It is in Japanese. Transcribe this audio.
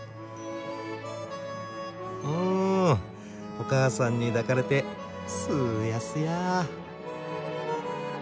お母さんに抱かれてすやすや。